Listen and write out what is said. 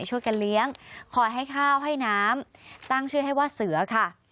ช่วยกันเลี้ยงคอยให้ข้าวให้น้ำตั้งชื่อให้ว่าเสือค่ะ